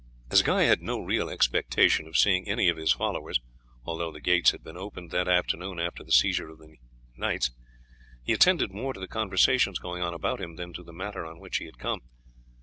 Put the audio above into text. As Guy had no real expectation of seeing any of his followers, although the gates had been opened that afternoon after the seizure of the knights, he attended more to the conversations going on about him than to the matter on which he had come.